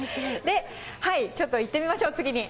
ちょっと行ってみましょう、次に。